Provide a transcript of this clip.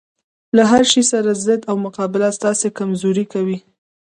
له هرشي سره ضد او مقابله تاسې کمزوري کوي